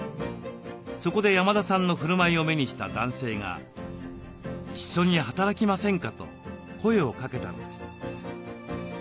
そこで山田さんのふるまいを目にした男性が「一緒に働きませんか」と声をかけたのです。